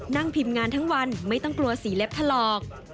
นั่งพิมพ์งานทั้งวันไม่ต้องกลัวสีเล็บถลอก